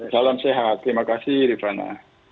salam sehat terima kasih rifana